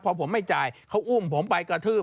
พอผมไม่จ่ายเขาอุ้มผมไปกระทืบ